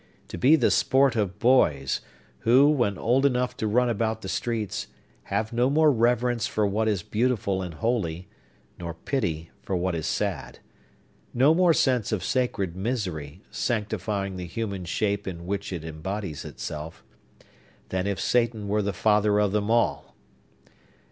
To be the sport of boys, who, when old enough to run about the streets, have no more reverence for what is beautiful and holy, nor pity for what is sad,—no more sense of sacred misery, sanctifying the human shape in which it embodies itself,—than if Satan were the father of them all!